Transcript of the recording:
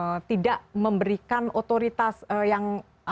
apa namanya tidak memberikan otoritas yang